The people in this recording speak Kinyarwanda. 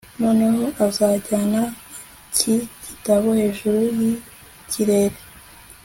noneho uzajyana iki gitabo hejuru yikirere